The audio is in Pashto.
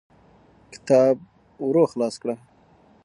کتاب ورو خلاص کړه.